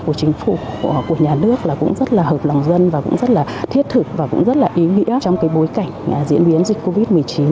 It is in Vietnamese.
của chính phủ của nhà nước là cũng rất là hợp lòng dân và cũng rất là thiết thực và cũng rất là ý nghĩa trong cái bối cảnh diễn biến dịch covid một mươi chín